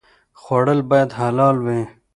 خوړل باید حلال وي